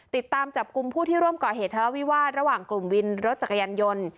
ติดตามจับกลุ่มผู้ที่ร่วมก่อเหตุทะเลาวิวาสระหว่างกลุ่มวินรถจักรยานยนต์